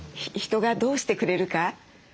人がどうしてくれるか？